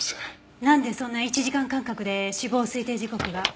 なんでそんな１時間間隔で死亡推定時刻が。